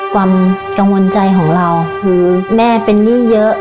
ความกังวลใจของเราคือแม่เป็นหนี้เยอะ